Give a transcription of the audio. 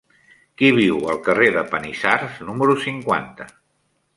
Qui viu al carrer de Panissars número cinquanta?